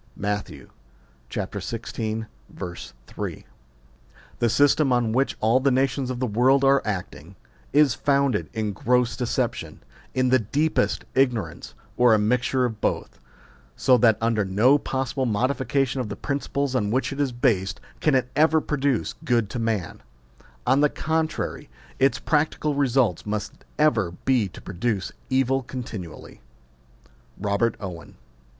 Matt. xvi. 3. The system on which all the nations of the world are acting, is founded in gross deception, in the deepest ignorance, or a mixture of both : so that under no possible modification of the principles on which it is based can it ever produce good to man ; on the contrary, its practical results must ever be to produce evil continually. ROBEET OWEX.